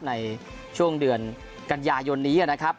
ในช่วงเดือนกันยายนนี้นะครับ